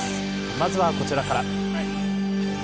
まずはこちらから。